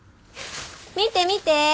見て見て！